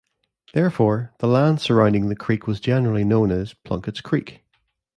Therefore, the land surrounding the creek was generally known as "Plunketts Creek".